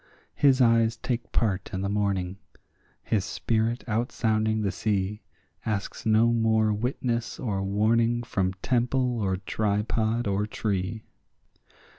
His eyes take part in the morning; his spirit out sounding the sea Asks no more witness or warning from temple or tripod or tree.